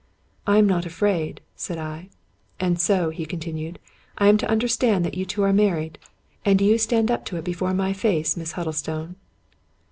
" I am not afraid," said I. " And so," he continued, " I am to understand that you two are married? And you stand up to it before my face> Miss Huddlestone